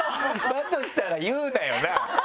だとしたら言うなよな！